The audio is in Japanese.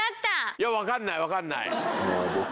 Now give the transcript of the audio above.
いや分かんない分かんない。